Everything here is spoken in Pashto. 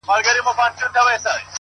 او راتلونکي کې د داسې پېښو